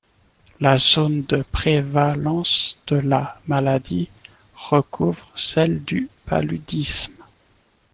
La zone de prévalence de la maladie recouvre celle du paludisme.